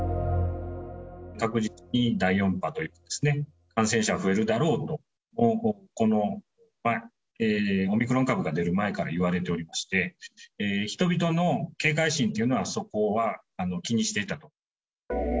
確実に第４波というかですね、感染者は増えるだろうと、このオミクロン株が出る前からいわれておりまして、人々の警戒心というのはそこは気にしてたと。